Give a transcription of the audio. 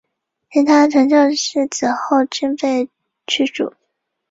其他传教士此后均被驱逐。